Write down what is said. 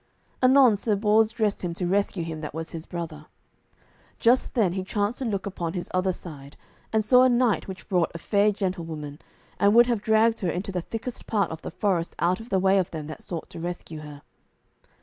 Anon Sir Bors dressed him to rescue him that was his brother. Just then he chanced to look upon his other side, and saw a knight which brought a fair gentlewoman, and would have dragged her into the thickest part of the forest out of the way of them that sought to rescue her.